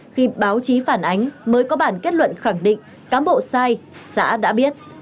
khi báo chí phản ánh mới có bản kết luận khẳng định cán bộ sai xã đã biết